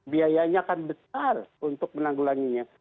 biayanya akan besar untuk menanggulanginya